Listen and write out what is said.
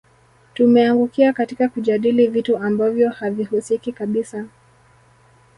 Tumeangukia katika kujadili vitu ambavyo havihusiki kabisa